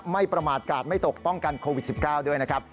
ประมาทกาดไม่ตกป้องกันโควิด๑๙ด้วยนะครับ